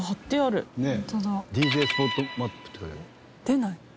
出ない。